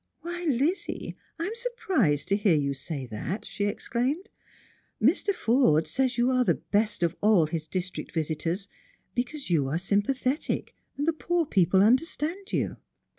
" Why, Lizzie, I'm surprised to hear you say that," she ex claimed. " Mr. Forde says you are the best of all his district visitors, because you are sympathetic, and the poor people understand you."